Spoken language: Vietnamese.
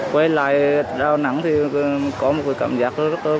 quay lại đà nẵng thì có một cái cảm giác rất là vui